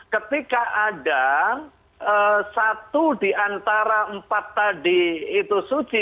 ketika ada satu diantara empat tadi itu suci